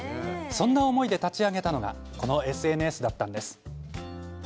そんな思いで立ち上げたのがこのＳＮＳだったんです。